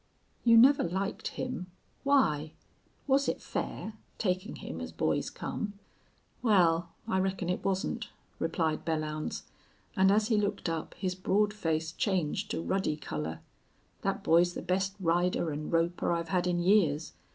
"You never liked him. Why? Was it fair, taking him as boys come?" "Wal, I reckon it wasn't," replied Belllounds, and as he looked up his broad face changed to ruddy color. "Thet boy's the best rider an' roper I've had in years.